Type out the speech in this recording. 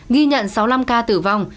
ghi nhận sáu mươi năm ca tử vong